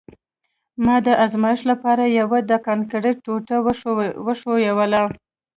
ما د ازمایښت لپاره یوه د کانکریټ ټوټه وښویوله